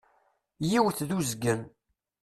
Yiwet d uzgen.